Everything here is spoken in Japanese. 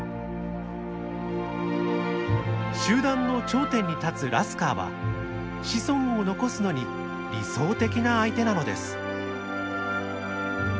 集団の頂点に立つラスカーは子孫を残すのに理想的な相手なのです。